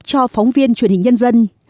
cho phóng viên truyền hình nhân dân